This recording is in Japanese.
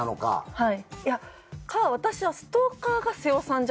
はい。